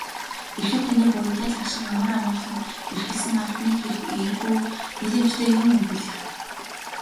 Эрхэм таны буянтай лагшин амар бөгөөд эрхэлсэн албаны хэрэг эергүү нийлэмжтэй юун өгүүлэх.